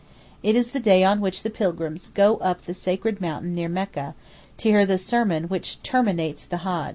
It is the day on which the pilgrims go up the sacred mount near Mecca, to hear the sermon which terminates the Haj.